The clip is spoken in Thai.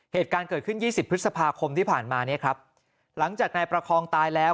เหตุการณ์เกิดขึ้นยี่สิบพฤษภาคมที่ผ่านมาเนี่ยครับหลังจากนายประคองตายแล้ว